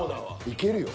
いけるよ。